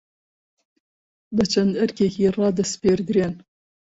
بە چەند ئەرکێکی رادەسپێردرێن